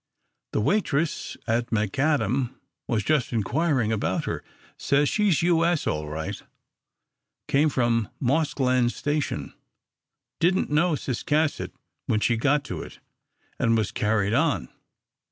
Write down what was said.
"The waitress at McAdam was just inquiring about her says she's U. S. all right. Came from Moss Glen station, didn't know Ciscasset when she got to it, and was carried on.